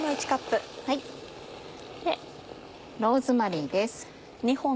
ローズマリーです。